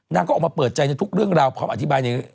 นางก็ออกมาเปิดใจในทุกเรื่องราวพร้อมอธิบายใน